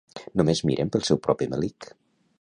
Només miren pel seu propi melic